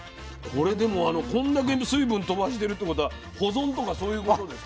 これでもこんだけ水分飛ばしてるってことは保存とかそういうことですか？